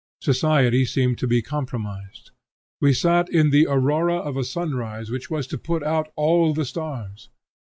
Society seemed to be compromised. We sat in the aurora of a sunrise which was to put out all the stars.